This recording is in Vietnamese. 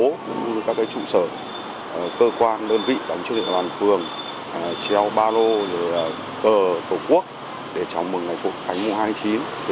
cũng như các trụ sở cơ quan đơn vị đóng chức địa đoàn phường treo ba lô cờ tổ quốc để chào mừng ngày phục khánh mùng hai tháng chín